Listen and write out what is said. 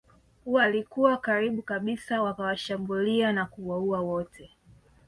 Walikuwa karibu kabisa wakawashambulia na kuwaua wote